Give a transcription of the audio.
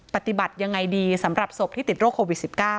ปฏิบัติยังไงดีสำหรับศพที่ติดโควิด๑๙